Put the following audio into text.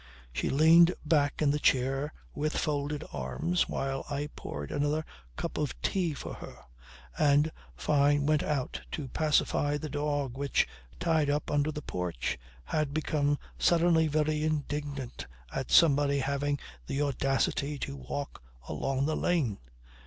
She leaned back in the chair with folded arms while I poured another cup of tea for her, and Fyne went out to pacify the dog which, tied up under the porch, had become suddenly very indignant at somebody having the audacity to walk along the lane.